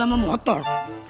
yang ada cuma motor